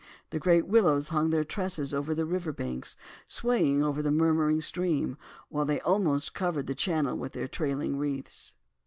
The great willows hung their tresses over the river bank, swaying over the murmuring stream, while they almost covered the channel with their trailing wreaths.